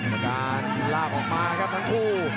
กรรมการลากออกมาครับทั้งคู่